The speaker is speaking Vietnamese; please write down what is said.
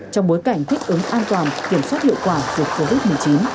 trong bối cảnh thích ứng an toàn kiểm soát hiệu quả dịch covid một mươi chín